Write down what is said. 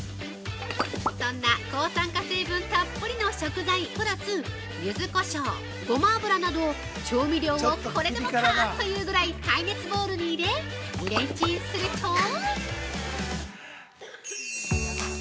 ◆そんな抗酸化成分たっぷりの食材プラス、ゆずこしょう、ごま油など調味料をこれでもかというぐらい耐熱ボウルに入れ、レンチンすると。